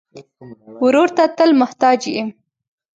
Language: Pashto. ورور ته تل محتاج یې.